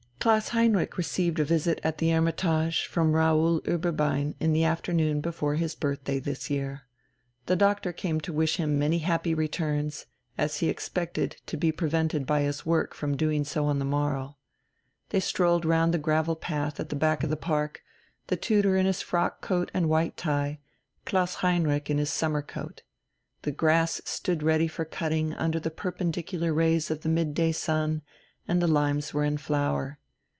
Klaus Heinrich received a visit at the "Hermitage" from Raoul Ueberbein the afternoon before his birthday this year. The Doctor came to wish him many happy returns, as he expected to be prevented by his work from doing so on the morrow. They strolled round the gravel path at the back of the park, the tutor in his frock coat and white tie, Klaus Heinrich in his summer coat. The grass stood ready for cutting under the perpendicular rays of the midday sun, and the limes were in flower.